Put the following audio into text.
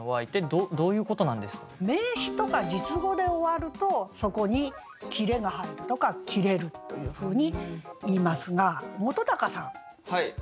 名詞とか述語で終わるとそこに切れが入るとか切れるというふうにいいますが本さん述語って知ってますよね？